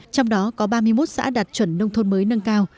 trong đó có ba mươi một xã đạt chuẩn nông thôn mới nâng cao